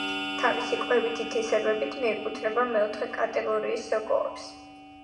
თავისი კვებითი თვისებებით მიეკუთვნება მეოთხე კატეგორიის სოკოებს.